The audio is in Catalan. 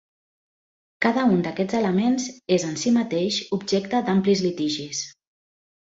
Cada un d'aquests elements és en si mateix objecte d'amplis litigis.